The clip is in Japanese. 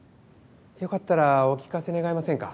よかったらお聞かせ願えませんか？